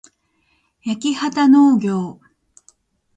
やきはたのうぎょう